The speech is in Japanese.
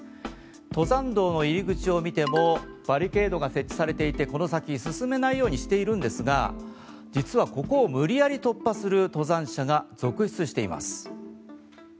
登山道の入口を見てもバリケードが設置されていてこの先進めないようにしているんですが実はここを無理やり突破する登山者が続出しています。